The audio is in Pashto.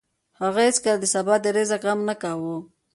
هغه هېڅکله د سبا د رزق غم نه کاوه.